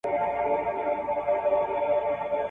او د کلي اوسېدونکي یې !.